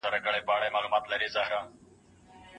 دا ښار لوی دی